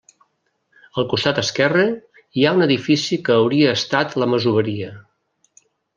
Al costat esquerre, hi ha un edifici que hauria estat la masoveria.